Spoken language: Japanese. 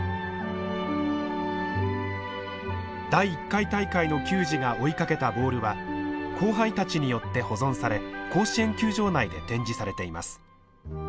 第１回大会の球児が追いかけたボールは後輩たちによって保存され甲子園球場内で展示されています。